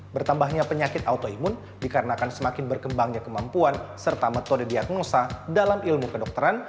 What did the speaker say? bertambahnya penyakit autoimun dikarenakan semakin berkembangnya kemampuan serta metode diagnosa dalam ilmu kedokteran